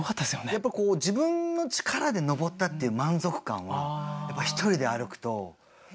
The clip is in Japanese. やっぱこう自分の力で登ったっていう満足感はやっぱり１人で歩くと深いですねえ。